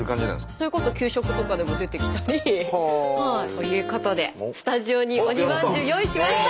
それこそ給食とかでも出てきたり。ということでスタジオに鬼まんじゅう用意しました。